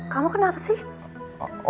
kamu kenapa sih